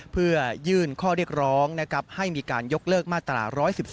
เพื่อยื่นข้อเรียกร้องให้มีการยกเลิกมาตรา๑๑๒